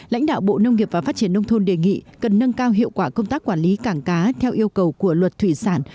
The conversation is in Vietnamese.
lãnh đạo bộ nông nghiệp và phát triển nông thôn đề nghị cần nâng cao hiệu quả công tác quản lý cảng cá theo yêu cầu của luật thủy sản